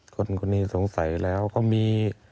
คุณคุณนี้สงสัยแล้วก็มี